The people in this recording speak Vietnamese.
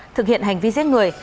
thực hiện hành vi giết người